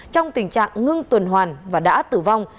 trong tình trạng ngưng tuần hoàn và đã tử vong